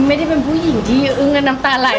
ไม่ได้เป็นผู้หญิงที่อึ้งและน้ำตาไหล